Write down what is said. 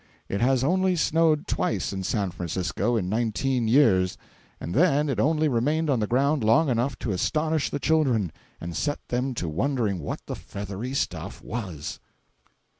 It has only snowed twice in San Francisco in nineteen years, and then it only remained on the ground long enough to astonish the children, and set them to wondering what the feathery stuff was.